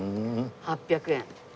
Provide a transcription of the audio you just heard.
８００円。